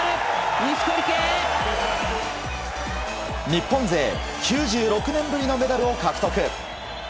日本勢９６年ぶりのメダルを獲得。